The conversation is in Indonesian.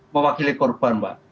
mewakili korban mbak